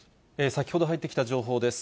先ほど入ってきた情報です。